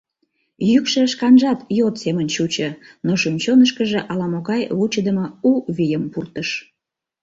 Йӱкшӧ шканжат йот семын чучо, но шӱм-чонышкыжо ала-могай вучыдымо у вийым пуртыш.